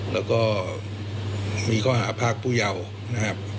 แล้วก็มีเคราะห์ภักษ์ผู้เยาว์นะครับ